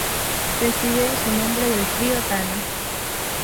Recibe su nombre del Río Tana.